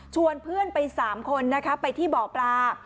ชวนเพื่อนไป๓คนไปที่เบาะปลา